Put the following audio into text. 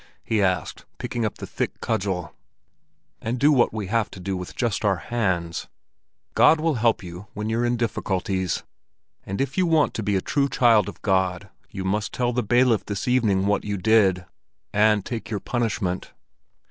he asked, picking up the thick cudgel, "and do what we have to do with just our hands? God will always help you when you're in difficulties. And if you want to be a true child of God, you must tell the bailiff this evening what you did—and take your punishment."